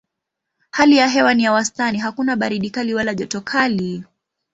Hali ya hewa ni ya wastani hakuna baridi kali wala joto kali.